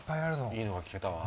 いいのが聴けたわ。